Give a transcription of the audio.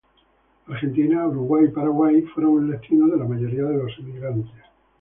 Argentina, Uruguay y Paraguay fueron el destino de la mayoría de los emigrantes.